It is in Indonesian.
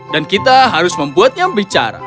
dan kita harus membuatnya bicara